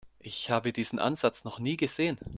Ich habe diesen Ansatz noch nie gesehen.